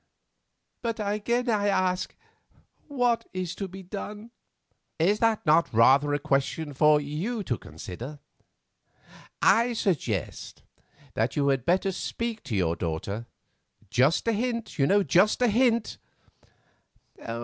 But again I ask—What is to be done?" "Is that not rather a question for you to consider? I suggest that you had better speak to your daughter; just a hint, you know, just a hint."